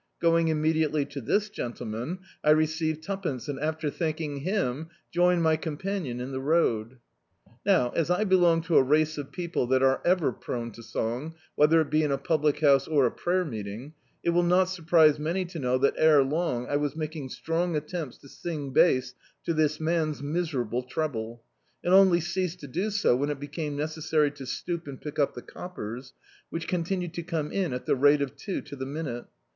Going immediately to this gentle man, I received twopence and, after thanking him, joined my companion in the road. Now, as I be IcMig to a race of people that are ever prcme to song, whether it be in a public house or a prayer meet ing, it will not surprise many to know that ere long I was making strcmg attempts to sing bass to this man's miserable treble, and only ceased to do so when it became necessary to stoop and pick up the coppers, which continued to come in at the rate of two to the minute.